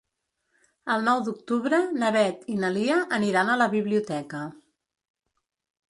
El nou d'octubre na Beth i na Lia aniran a la biblioteca.